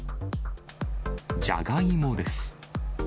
じゃがいもです。